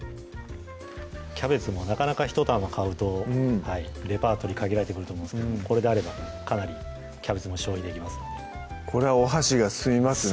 キャベツもなかなか１玉買うとレパートリー限られてくると思うんですけどもこれであればかなりキャベツも消費できますのでこれはお箸が進みますね